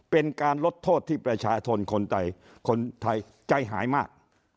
เป็นการลดโทษที่ประชาชนคนไทยคนไทยใจหายมาก